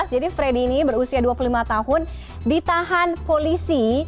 jadi freddie ini berusia dua puluh lima tahun ditahan polisi